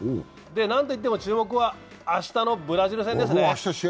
なんといっても注目は明日のブラジル戦ですね。